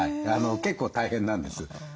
結構大変なんです。